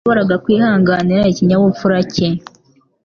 Sinashoboraga kwihanganira ikinyabupfura cye.